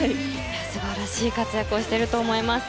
素晴らしい活躍をしていると思います。